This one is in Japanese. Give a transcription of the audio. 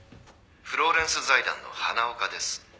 「フローレンス財団の花岡です」